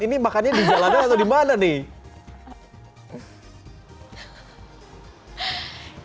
ini makannya di jalanan atau di mana nih